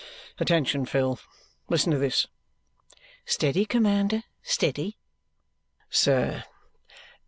"Attention, Phil! Listen to this." "Steady, commander, steady." "'Sir.